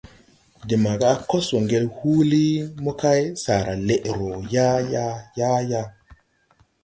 De maga a kos wo ŋgel húúli mo kay, saara leʼ roo yaayaa ! Yaayaa !